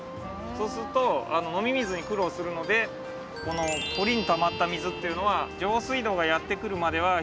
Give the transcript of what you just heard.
そうすると飲み水に苦労するのでこの堀にたまった水っていうのは上水道がやって来るまでは非常に重要でした。